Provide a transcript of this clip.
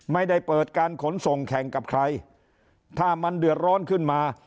ไม่ได้เปิดการขนส่งแข่งกับใครถ้ามันเดือดร้อนขึ้นมา